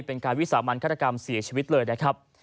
เป็นการวิสามันฆาตกรรมเสียชีวิตเลยนะครับ